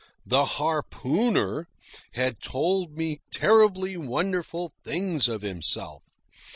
The harpooner had told me terribly wonderful things of himself.